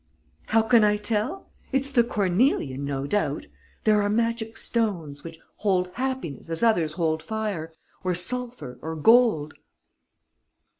How can I tell? It's the cornelian, no doubt.... There are magic stones, which hold happiness, as others hold fire, or sulphur, or gold...."